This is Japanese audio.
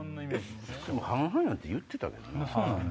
でも半々って言ってたけどな。